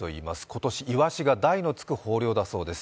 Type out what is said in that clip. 今年、イワシが大のつくほどの豊漁だそうです。